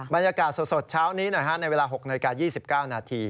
บรรยากาศสดเช้านี้นะฮะในเวลา๖นาที๒๙นาที